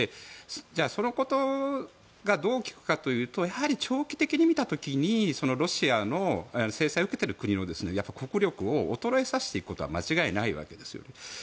じゃあ、そのことがどう効くかというと長期的に見た時にロシアの制裁を受けている国の国力を衰えさせていくことは間違いないわけですよ。